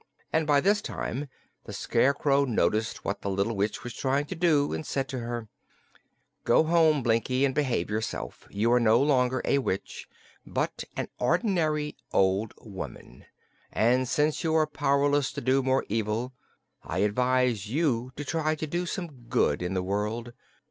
And by this time the Scarecrow noticed what the little witch was trying to do, and said to her: "Go home, Blinkie, and behave yourself. You are no longer a witch, but an ordinary old woman, and since you are powerless to do more evil I advise you to try to do some good in the world.